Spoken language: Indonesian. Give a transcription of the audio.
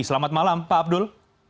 selamat malam pak abdul